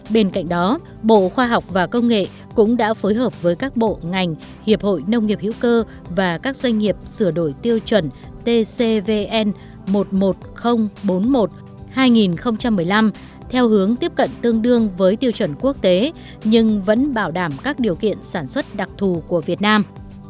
bên cạnh đó bộ khoa học và công nghệ cũng đã phối hợp với các bộ ngành hiệp hội nông nghiệp hữu cơ và các doanh nghiệp sửa đổi tiêu chuẩn tcvn một mươi một nghìn bốn mươi một hai nghìn một mươi năm theo hướng tiếp cận tương đương với tiêu chuẩn quốc tế nhưng vẫn bảo đảm các điều kiện sản xuất đặc thù của việt nam